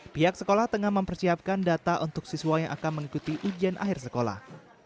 pihak sekolah tengah mempersiapkan data untuk siswa yang akan mengikuti ujian akhir sekolah